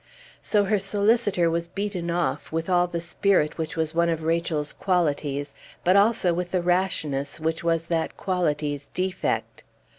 So her solicitor was beaten off, with all the spirit which was one of Rachel's qualities, but also with the rashness which was that quality's defect.